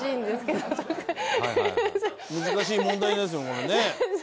難しい問題ですよこれね。